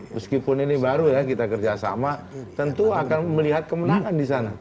meskipun ini baru ya kita kerjasama tentu akan melihat kemenangan di sana